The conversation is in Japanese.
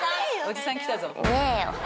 おじさん来たぞ。